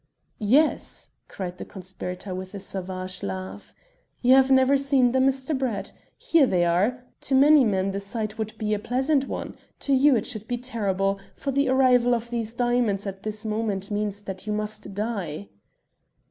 "Yes," cried the conspirator with a savage laugh. "You have never seen them, Mr. Brett? Here they are. To many men the sight would be a pleasant one. To you it should be terrible, for the arrival of these diamonds at this moment means that you must die."